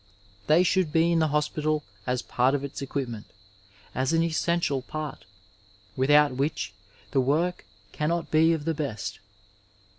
They should be in the hospital as part of its equipment, as an essential part, without which the work cannot be of the best.